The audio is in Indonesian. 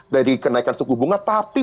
dari kenaikan suku bunga tapi